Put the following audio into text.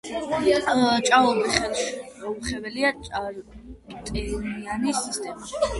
ჭაობი ხელშეუხებელი ჭარბტენიანი სისტემაა.